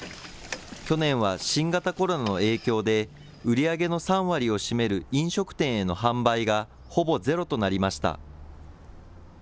去年は新型コロナの影響で売り上げの３割を占める、飲食店への販売がほぼゼロとなりました。